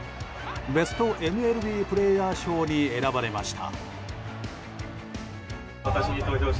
ベストＭＬＢプレーヤー賞に選ばれました。